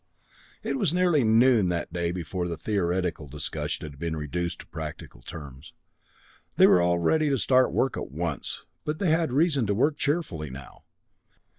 It was nearly noon that day before the theoretical discussion had been reduced to practical terms. They were ready to start work at once, but they had reason to work cheerfully now.